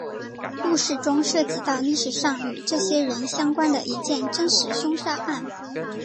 故事中涉及到历史上与这些人相关的一件真实凶杀案。